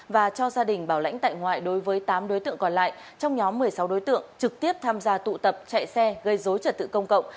và cho gia đình bảo lãnh tại ngoại đối với tám đối tượng còn lại trong nhóm một mươi sáu đối tượng trực tiếp tham gia tụ tập chạy xe gây dối trật tự công cộng